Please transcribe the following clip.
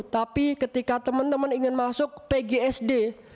tapi ketika teman teman ingin masuk pgsd